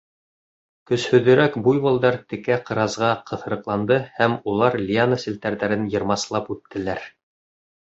Көсһөҙөрәк буйволдар текә ҡыразға ҡыҫырыҡланды һәм улар лиана селтәрҙәрен йырмаслап үттеләр.